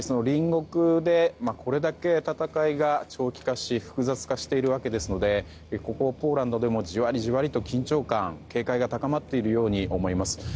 隣国でこれだけ戦いが長期化し複雑化しているわけですのでここポーランドでもじわりじわりと緊張感、警戒が高まっているように思えます。